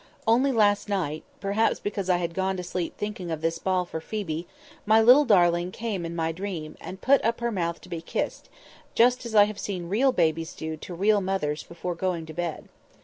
Only last night—perhaps because I had gone to sleep thinking of this ball for Phoebe—my little darling came in my dream, and put up her mouth to be kissed, just as I have seen real babies do to real mothers before going to bed.